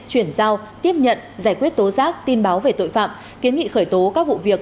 chuyển giao tiếp nhận giải quyết tố giác tin báo về tội phạm kiến nghị khởi tố các vụ việc